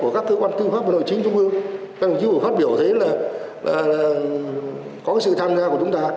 các cơ quan tư pháp và nội chính trung ương phát biểu thấy là có sự tham gia của chúng ta